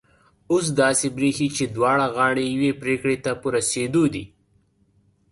اوس داسي برېښي چي دواړه غاړې یوې پرېکړي ته په رسېدو دي